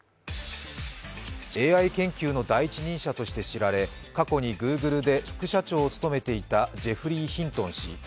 ＡＩ研究の第一人者として知られ過去にＧｏｏｇｌｅで副社長を務めていたジェフリー・ヒントン氏。